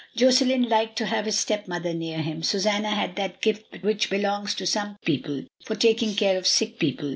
Josselin liked to have his stepmother near him, Susanna had that gift which belongs to some people for taking care of sick people.